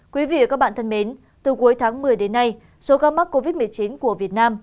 quý vị và các bạn thân mến từ cuối tháng một mươi đến nay số ca mắc covid một mươi chín của việt nam